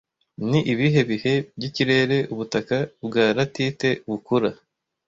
Ni ibihe bihe by'ikirere ubutaka bwa latite bukura